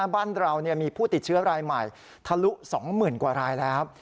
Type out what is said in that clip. บ้านเรามีผู้ติดเชื้อรายใหม่ทะลุ๒๐๐๐กว่ารายแล้ว